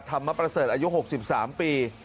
ธรรมประเสริฐอายุ๖๓ปี